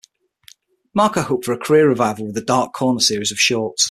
Marco hoped for a career revival with the "Dark Corner" series of shorts.